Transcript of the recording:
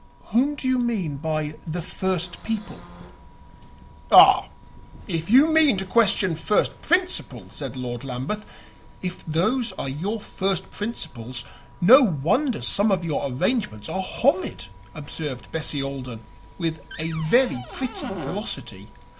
"Whom do you mean by the first people?" "Ah, if you mean to question first principles!" said Lord Lambeth. "If those are your first principles, no wonder some of your arrangements are horrid," observed Bessie Alden with a very pretty ferocity.